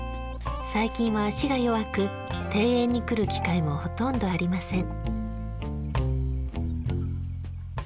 最近は足が弱く庭園に来る機会もほとんどありません。